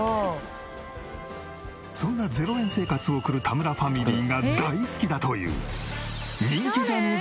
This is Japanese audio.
そんな０円生活を送る田村ファミリーが大好きだという。